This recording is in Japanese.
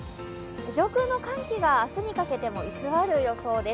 上空の寒気が明日にかけても居座る予想です。